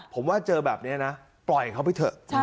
ผมว่าเจอแบบนี้นะปล่อยเขาไปเถอะ